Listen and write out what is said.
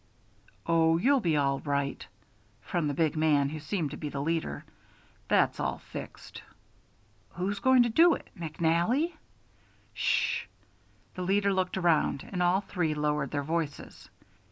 "Oh, you'll be all right," from the big man, who seemed to be the leader; "that's all fixed." "Who's goin' to do it McNally?" "Ssh!" the leader looked around, and all three lowered their voices.